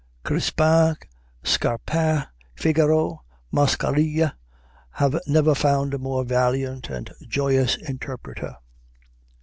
Crispin, Scapin, Figaro, Mascarille have never found a more valiant and joyous interpreter."